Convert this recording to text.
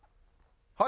はい。